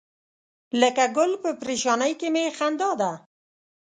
لکه ګل په پرېشانۍ کې می خندا ده.